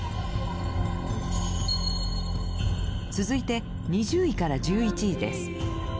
続いて２０位から１１位です。